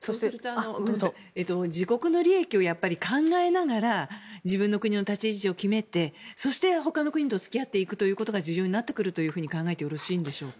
自国の利益を考えながら自分の国の立ち位置を決めてそして、他の国と付き合っていくということが重要になってくると考えてよろしいんでしょうか。